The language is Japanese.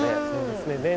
そうですね。